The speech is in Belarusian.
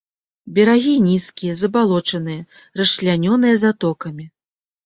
Берагі нізкія, забалочаныя, расчлянёныя затокамі.